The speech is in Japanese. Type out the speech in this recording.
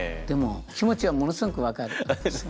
でも気持ちはものすごく分かる。